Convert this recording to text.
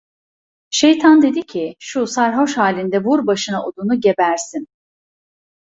Şeytan dedi ki, şu sarhoş halinde vur başına odunu, gebersin!